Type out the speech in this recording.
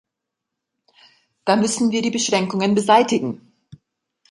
Da müssen wir die Beschränkungen beseitigen.